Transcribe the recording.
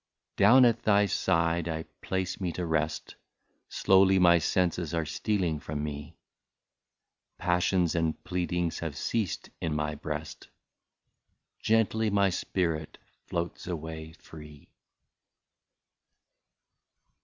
Down at thy side I place me to rest ; Slowly my senses are stealing from me ; Passions and pleadings have ceased in my breast ; Gently my spirit floats away free.